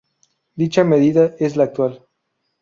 Dicha medida es la actual.